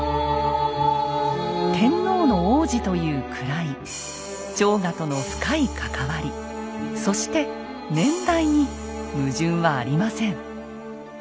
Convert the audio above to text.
天皇の皇子という位朝賀との深い関わりそして年代に矛盾はありません。